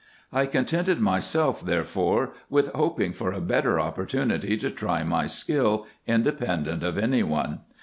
I contented myself, therefore, with hoping for a better opportunity to try my skill, independent of any one.